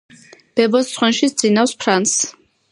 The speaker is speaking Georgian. ბებოს სხვენში სძინავს ფრანს